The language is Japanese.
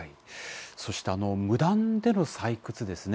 そして、無断での採掘ですね